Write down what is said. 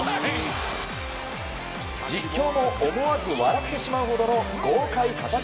実況も思わず笑ってしまうほどの豪快片手